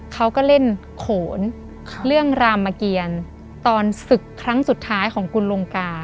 เขาก็เล่นโขนเรื่องรามเกียรตอนศึกครั้งสุดท้ายของคุณลงกา